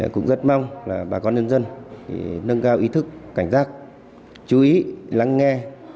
cũng rất mong là bà con nhân dân nâng cao ý thức cảnh giác chú ý lắng nghe